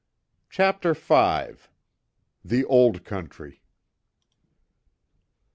CHAPTER V THE OLD COUNTRY.